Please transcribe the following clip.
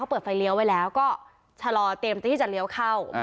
เปิดไฟเลี้ยวไว้แล้วก็ชะลอเตรียมที่จะเลี้ยวเข้า